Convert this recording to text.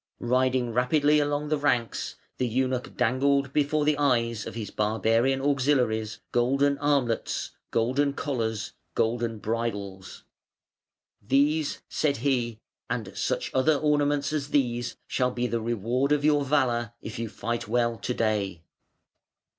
Riding rapidly along the ranks, the Eunuch dangled before the eyes of his barbarian auxiliaries golden armlets, golden collars, golden bridles. "These", said he, "and such other ornaments as these, shall be the reward of your valour, if you fight well to day".